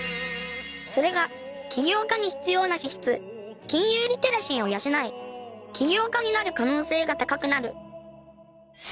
それが起業家に必要な資質金融リテラシーを養い起業家になる可能性が高くなる